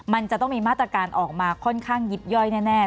มันจะต้องมีมาตรการออกมาค่อนข้างยิบย่อยแน่